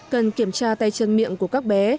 cần kiểm tra tay chân miệng của các bé